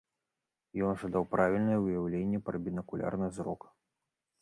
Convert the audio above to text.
Ён жа даў правільнае ўяўленне пра бінакулярны зрок.